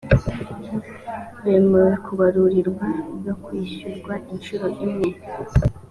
bemewe kubarurirwa no kwishyurwa inshuro imwe.